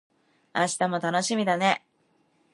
明日も楽しみだね